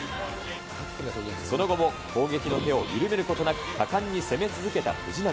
その後も攻撃の手を緩めることなく、果敢に攻め続けた藤波。